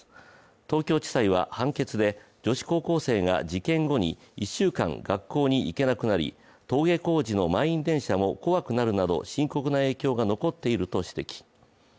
東京地裁は判決で、女子高校生が事件後に１週間、学校に行けなくなり登下校時の満員電車も怖くなるなど深刻な影響が残っていると指摘。